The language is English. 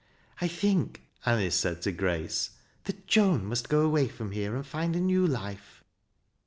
" I think," Anice said to Grace, " that Joan must go away from here and find a new life."